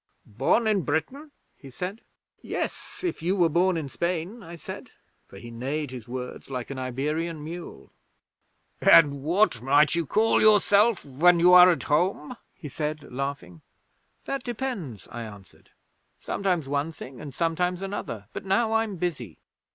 '"Born in Britain?" he said. '"Yes, if you were born in Spain," I said, for he neighed his words like an Iberian mule. '"And what might you call yourself when you are at home?" he said, laughing. '"That depends," I answered; "sometimes one thing and sometimes another. But now I'm busy."